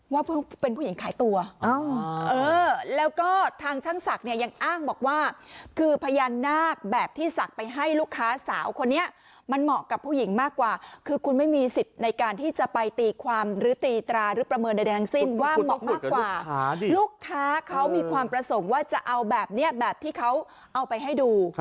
ว่าเป็นผู้หญิงขายตัวแล้วก็ทางช่างศักดิ์เนี่ยยังอ้างบอกว่าคือพญานาคแบบที่ศักดิ์ไปให้ลูกค้าสาวคนนี้มันเหมาะกับผู้หญิงมากกว่าคือคุณไม่มีสิทธิ์ในการที่จะไปตีความหรือตีตราหรือประเมินใดทั้งสิ้นว่าเหมาะมากกว่าลูกค้าเขามีความประสงค์ว่าจะเอาแบบนี้แบบที่เขาเอาไปให้ดู